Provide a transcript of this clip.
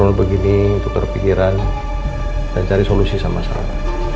ngobrol begini tukar pikiran dan cari solusi sama masalah